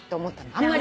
あんまり。